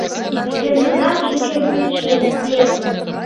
— Шкенжынат шинчавӱдшӧ лекте.